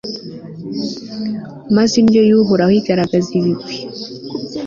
maze indyo y'uhoraho igaragaza ibigwi